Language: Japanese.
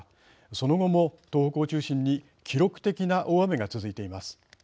その後も東北を中心に記録的な大雨が続いています。